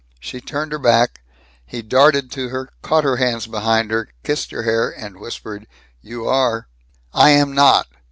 She turned her back. He darted to her, caught her hands behind her, kissed her hair, and whispered, "You are!" "I am not!"